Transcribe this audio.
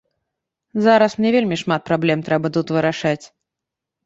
Зараз мне вельмі шмат праблем трэба тут вырашаць.